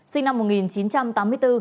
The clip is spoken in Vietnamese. sinh năm một nghìn chín trăm tám mươi bốn